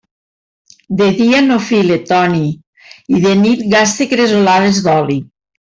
De dia no fila Toni, i de nit gasta cresolades d'oli.